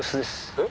えっ？